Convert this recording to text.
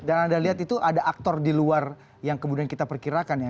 dan anda lihat itu ada aktor di luar yang kemudian kita perkirakan ya